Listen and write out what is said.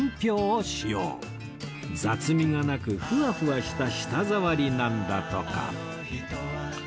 雑味がなくふわふわした舌触りなんだとか